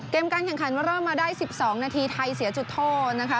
การแข่งขันว่าเริ่มมาได้๑๒นาทีไทยเสียจุดโทษนะคะ